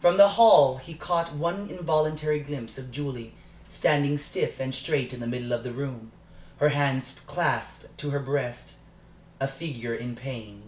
From the hall he had caught one involuntary glimpse of Julie, standing stiff and straight in the middle of the room, her hands clasped to her breast a figure in pain.